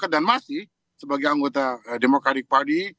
dan masih sebagai anggota democratic party